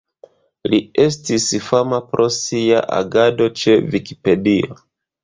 Li estis fama pro sia agado ĉe Vikipedio.